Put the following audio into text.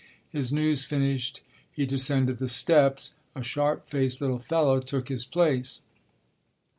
His news finished, he descended the steps. A sharp faced little fellow took his place.